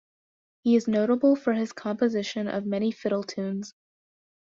He is notable for his composition of many fiddle tunes.